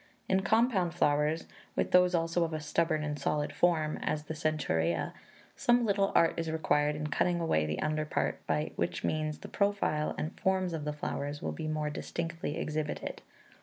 In compound flowers, with those also of a stubborn and solid form, as the Centaurea, some little art is required in cutting away the under part, by which means the profile and forms of the flowers will be more distinctly exhibited.